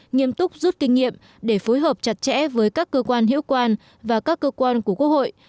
nghiêm túc rút kinh nghiệm để phối hợp chặt chẽ với các cơ quan hiệu quan và các cơ quan của quốc hội